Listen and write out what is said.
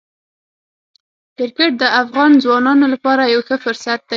کرکټ د افغان ځوانانو لپاره یو ښه فرصت دی.